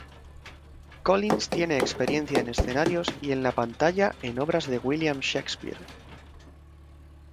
Collins tiene experiencia en escenarios y en la pantalla en obras de William Shakespeare.